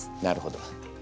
なるほど。